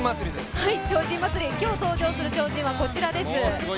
今日登場する超人はこちらです。